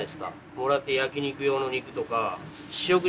もらって焼き肉用の肉とか塩鯨